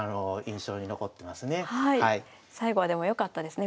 最後はでもよかったですね